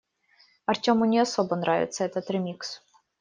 Артёму не особо нравится этот ремикс.